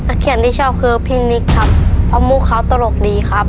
เขียนที่ชอบคือพี่นิกครับเพราะมุกเขาตลกดีครับ